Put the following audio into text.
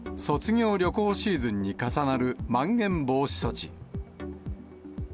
卒業旅行シーズンに重なるまん延防止措置。